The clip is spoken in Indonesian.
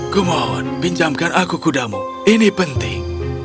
kumohon pinjamkan aku kudamu ini penting